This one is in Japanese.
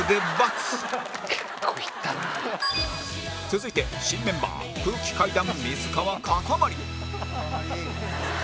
続いて新メンバー空気階段水川かたまり